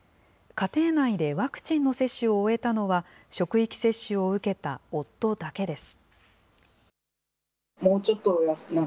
家庭内でワクチンの接種を終えたのは、職域接種を受けた夫だけです。